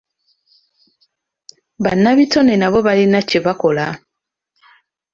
Bannabitone nabo balina kye bakola.